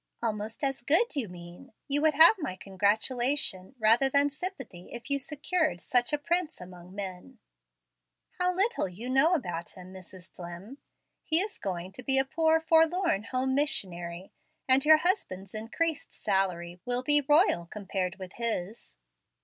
"Almost as good, you mean. You would have my congratulation rather than sympathy if you secured such a prince among men." "How little you know about him, Mrs. Dlimm! He is going to be a poor, forlorn home missionary; and your husband's increased salary will be royal compared with his."